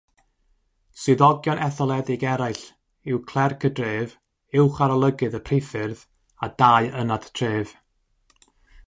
Swyddogion etholedig eraill yw Clerc y Dref, Uwcharolygydd y Priffyrdd, a dau Ynad Tref.